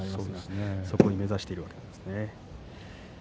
それを目指しているわけですね。